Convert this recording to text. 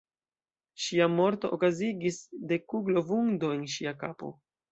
Ŝia morto okazigis de kuglo-vundo en ŝia kapo.